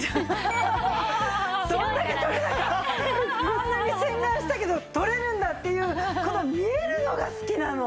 あんなに洗顔したけど取れるんだっていうこの見えるのが好きなの。